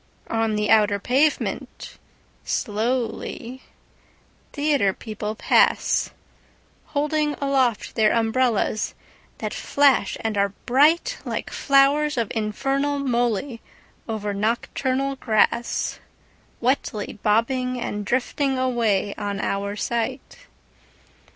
On the outer pavement, slowly, Theatre people pass, Holding aloft their umbrellas that flash and are brightLike flowers of infernal molyOver nocturnal grassWetly bobbing and drifting away on our sight.